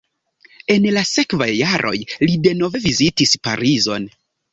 En la sekvaj jaroj li denove vizitis Parizon.